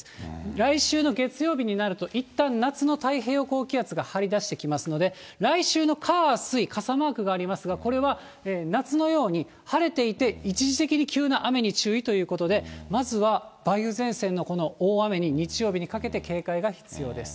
来週の月曜日になると、いったん夏の太平洋高気圧が張り出してきますので、来週の火、水、傘マークがありますが、これは夏のように、晴れていて、一時的に急な雨に注意ということで、まずは梅雨前線のこの大雨に日曜日にかけて警戒が必要です。